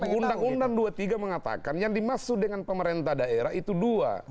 undang undang dua puluh tiga mengatakan yang dimaksud dengan pemerintah daerah itu dua